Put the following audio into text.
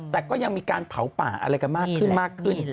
แต่ก็ยังมีการเผาป่าอะไรกันมากขึ้นมากขึ้น